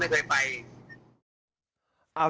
เขาก็ไม่เคยไปเที่ยวที่โน่นไม่เคยไป